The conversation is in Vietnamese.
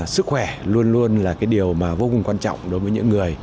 sức khỏe luôn luôn là điều vô cùng quan trọng đối với những người